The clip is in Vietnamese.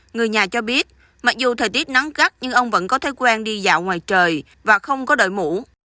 người nhà cho biết mặc dù thời tiết nắng gắt nhưng ông vẫn có thói quen đi dạo ngoài trời và không có đợi mũ